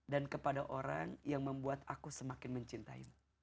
dan kepada orang yang membuat aku semakin mencintai mu